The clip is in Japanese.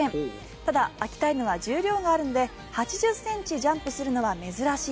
ただ、秋田犬は重量があるので８０ｃｍジャンプするのは珍しい。